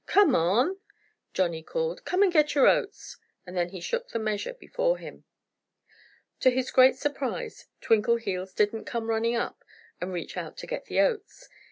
Come on!" Johnnie called. "Come and get your oats!" And he shook the measure before him. To his great surprise, Twinkleheels didn't come running up and reach out to get the oats.